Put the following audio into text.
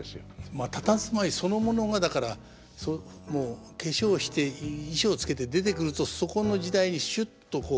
まあたたずまいそのものがだからもう化粧して衣装着けて出てくるとそこの時代にしゅっとこう。